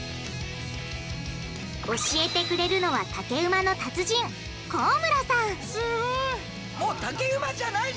教えてくれるのは竹馬の達人高村さんすごい！